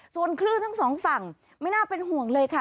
ส่วนคลื่นทั้งสองฝั่งไม่น่าเป็นห่วงเลยค่ะ